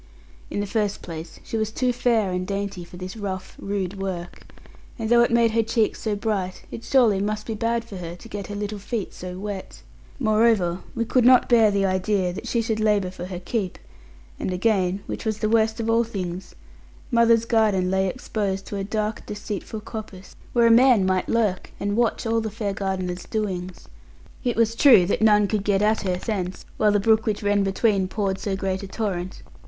In the first place, she was too fair and dainty for this rough, rude work; and though it made her cheeks so bright, it surely must be bad for her to get her little feet so wet. Moreover, we could not bear the idea that she should labour for her keep; and again (which was the worst of all things) mother's garden lay exposed to a dark deceitful coppice, where a man might lurk and watch all the fair gardener's doings. It was true that none could get at her thence, while the brook which ran between poured so great a torrent.